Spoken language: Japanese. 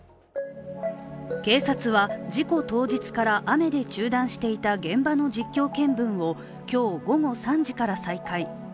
警察は、事故当日から雨で中断していた現場の実況見分を今日午後３時から再開。